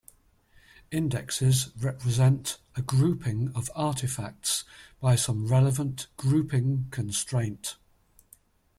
Indexes represent a grouping of artifacts by some relevant grouping constraint.